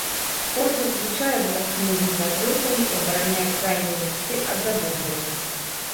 Форзац злучае блок кнігі з накрыўкай і абараняе крайнія лісты ад забруджвання.